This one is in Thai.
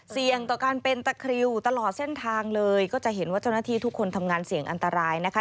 เสี่ยงต่อการเป็นตะคริวตลอดเส้นทางเลยก็จะเห็นว่าเจ้าหน้าที่ทุกคนทำงานเสี่ยงอันตรายนะคะ